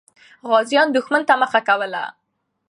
غازیان دښمن ته مخه کوله.